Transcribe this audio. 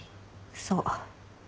そう。